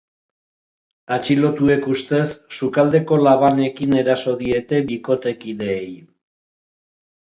Atxilotuek ustez sukaldeko labanekin eraso diete bikotekideei.